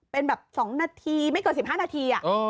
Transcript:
เป็นแบบ๒นาทีไม่เกิน๑๕นาที